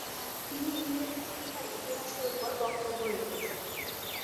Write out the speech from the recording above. তিনি ইংরেজি শিক্ষার ইতিহাসের উপর বক্তব্য রেখেছেন।